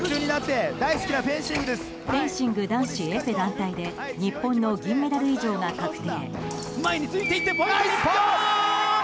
フェンシング男子エペ団体で日本の銀メダル以上が確定。